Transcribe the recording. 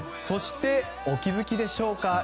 そして、お気づきでしょうか。